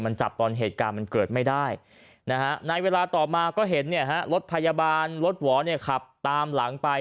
มันจับตอนเหตุการณ์มันเกิดไม่ได้นะฮะในเวลาต่อมาก็เห็นรถพยาบาลรถหวอเนี่ยขับตามหลังไป